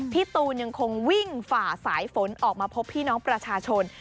พี่ตูนยังคงวิ่งฝ่าสายฝนออกมาพบพี่น้องประชาชน